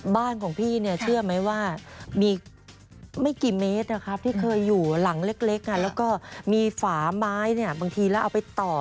บ้านของพี่เนี่ยเชื่อไหมว่ามีไม่กี่เมตรนะครับที่เคยอยู่หลังเล็กแล้วก็มีฝาไม้บางทีแล้วเอาไปต่อ